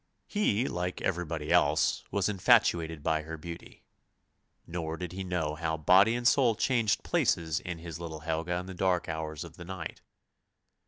He, like everybody else, was infatuated by her beauty, nor did he know how body and soul changed places in his little Helga in the dark hours of the night.